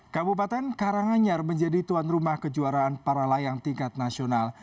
kabupaten karanganyar menjadi tuan rumah kejuaraan para layang tingkat nasional